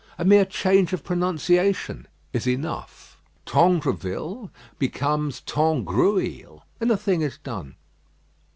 A mere change of pronunciation is enough. Tangroville becomes Tangrouille: and the thing is done.